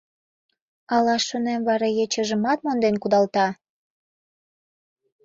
Ала, шонем, вара ечыжымат монден кудалта.